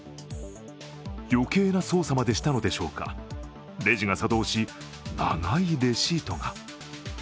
余計な操作までしたのでしょうか、レジが作動し、長いレシートが。